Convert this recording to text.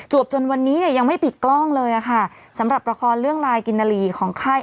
จนวันนี้เนี่ยยังไม่ปิดกล้องเลยอะค่ะสำหรับละครเรื่องลายกินนาลีของค่าย